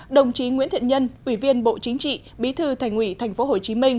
đồng chí nguyễn thiện nhân ủy viên bộ chính trị bí thư thành ủy tp hcm